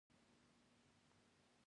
مشروطه پاچاهي نظام رامنځته کړل.